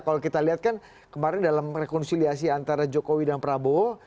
kalau kita lihat kan kemarin dalam rekonsiliasi antara jokowi dan prabowo